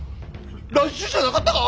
来週じゃなかったか？